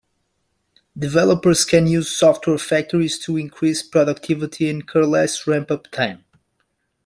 Developers can use software factories to increase productivity and incur less ramp-up time.